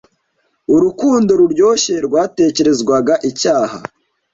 urukundo ruryoshye, rwatekerezwaga icyaha